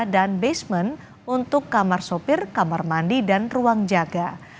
dan basement untuk kamar sopir kamar mandi dan ruang jaga